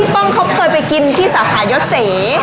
พี่ป้องเคยไปกินที่ศาขายศรษฐศิษยนด์